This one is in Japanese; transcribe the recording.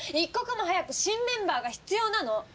一刻も早く新メンバーが必要なの！